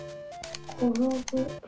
「ころぶ」。